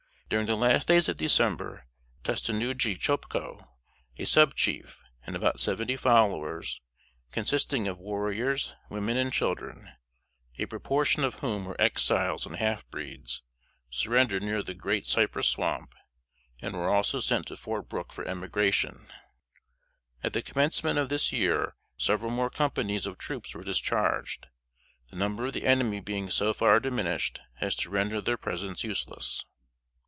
During the last days of December, Tustenuggee Chopco, a sub chief, and about seventy followers, consisting of warriors, women and children, a proportion of whom were Exiles and half breeds, surrendered near the Great Cypress Swamp, and were also sent to Fort Brooke for emigration. [Sidenote: 1843.] At the commencement of this year several more companies of troops were discharged, the number of the enemy being so far diminished as to render their presence useless.